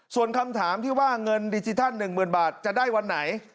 ส่วนคำถามที่ว่าเงินดิจิทัล๑๐๐๐บาทจะได้วันไหน